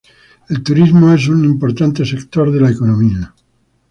El turismo es un importante sector de la economía.